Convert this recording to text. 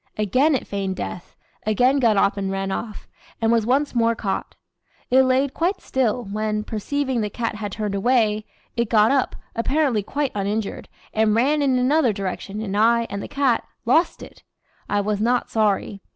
Again it feigned death, again got up and ran off, and was once more caught. It laid quite still, when, perceiving the cat had turned away, it got up, apparently quite uninjured, and ran in another direction, and I and the cat lost it! I was not sorry.